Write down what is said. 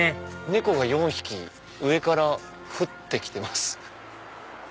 猫が４匹上から降って来てます。